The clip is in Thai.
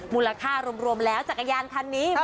มูลค่ารวมแล้วจักรยานคันนี้